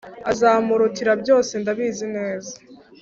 azamurutira byose ndabizi neza